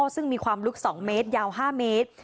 ซึ่งมีความลึก๒เมตรยาว๕เมตร